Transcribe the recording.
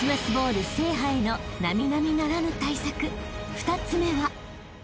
［２つ目は］